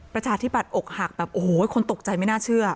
ประชาธิบบอกหักแบบโอ้โหคนตกใจไม่น่าเชื่อ